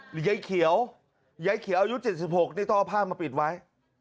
ยายเขียวยายเขียวอายุ๗๖นี่ต้องเอาผ้ามาปิดไว้